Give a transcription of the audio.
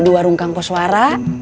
di warung kang koswara